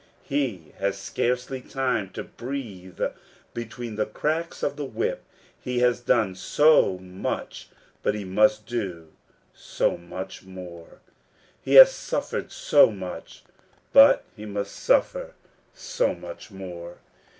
He has scarcely time to breathe between the cracks of the whip. He has done so much, but he must do so much more ; he has suffered so much, but he must suffer so much more.